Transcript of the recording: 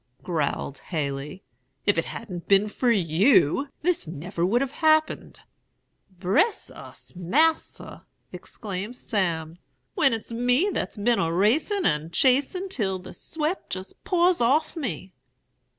_' growled Haley. 'If it hadn't been for you, this never would have happened.' "'Bress us, Mas'r!' exclaimed Sam; 'when it's me that's been a racin' and chasin' till the swet jist pours off me.'